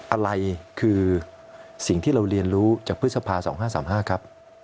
อะไรคือสิ่งที่เราเรียนรู้จากพฤษภา๒๕๓๕ครับ